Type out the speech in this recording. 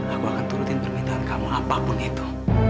aku akan turutin permintaan kamu apapun itu